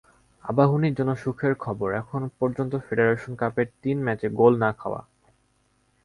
আবাহনীর জন্য সুখের খবর, এখন পর্যন্ত ফেডারেশন কাপের তিন ম্যাচে গোল না-খাওয়া।